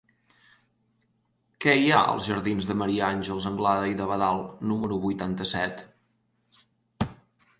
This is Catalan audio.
Què hi ha als jardins de Maria Àngels Anglada i d'Abadal número vuitanta-set?